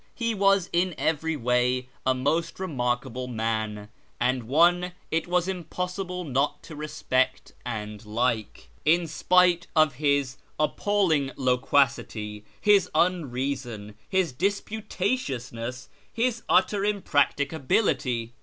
He was in every way a most remarkable man, and one whom it was impossible not to respect and like, in S23ite of his appalling loquacity, his unreason, his disputatiousness, his utter impractica bility.